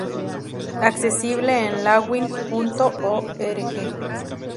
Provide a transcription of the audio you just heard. Accesible en lawin.org.